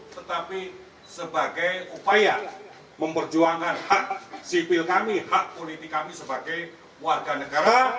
tetapi sebagai upaya memperjuangkan hak sipil kami hak politik kami sebagai warga negara